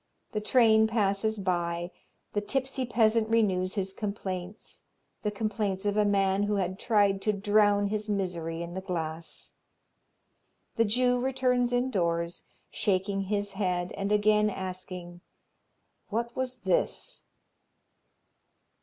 The train passes by, the tipsy peasant renews his complaints the complaints of a man who had tried to drown his misery in the glass. The Jew returns indoors, shaking his head and again asking, "What was this?"